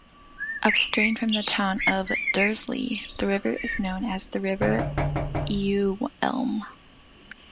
Upstream from the town of Dursley the river is known as the River Ewelme.